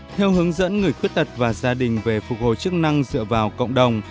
theo hướng dẫn người khuyết tật và gia đình về phục hồi chức năng dựa vào cộng đồng